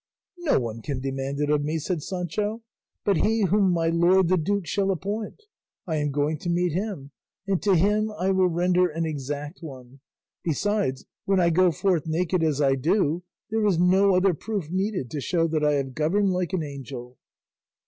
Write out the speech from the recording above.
"No one can demand it of me," said Sancho, "but he whom my lord the duke shall appoint; I am going to meet him, and to him I will render an exact one; besides, when I go forth naked as I do, there is no other proof needed to show that I have governed like an angel."